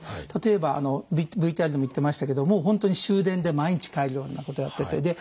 例えばＶＴＲでも言ってましたけどもう本当に終電で毎日帰るようなことをやってて。